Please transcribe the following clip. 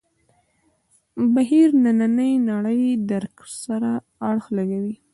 بهیر نننۍ نړۍ درک سره اړخ لګوي.